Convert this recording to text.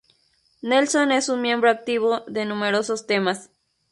Nelson es un miembro activo de numerosos temas.